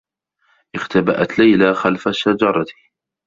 اختبأت ليلى خلف الشّجرة.